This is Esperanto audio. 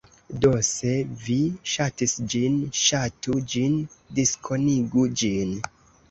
Do, se vi ŝatis ĝin, ŝatu ĝin diskonigu ĝin